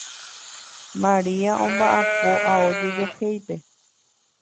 Maria omba'apo ao jejohéipe.